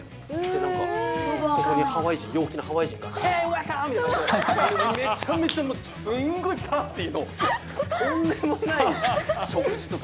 なんかそこにハワイ人、陽気なハワイ人が、ヘイ、ウエルカム！みたいな、めちゃめちゃすごいパーティーの、とんでもない食事とか。